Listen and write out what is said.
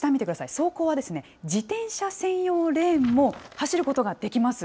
走行は自転車専用レーンも走ることができます。